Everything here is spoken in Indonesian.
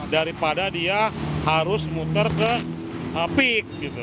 daripada dia harus muter ke pik